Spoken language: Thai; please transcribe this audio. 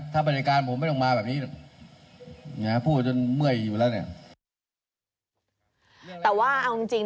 ถ้าประเด็ดการณ์ผมไม่ต้องมาแบบนี้พูดจนเมื่อยอยู่แล้วเนี่ย